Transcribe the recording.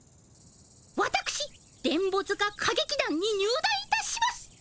わたくし電ボ塚歌劇団に入団いたします！